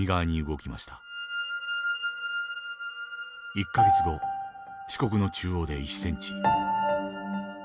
１か月後四国の中央で１ｃｍ。